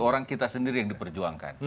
orang kita sendiri yang diperjuangkan